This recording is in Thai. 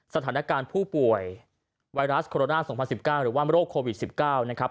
สถานการณ์ผู้ป่วยไวรัสโคโรนา๒๐๑๙หรือว่าโรคโควิด๑๙นะครับ